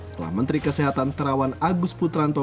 setelah menteri kesehatan terawan agus putranto